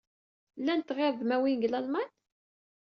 Llant tɣirdmawin deg Lalman?